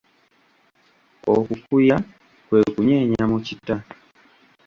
Okukuya kwe kunyenya mu kita.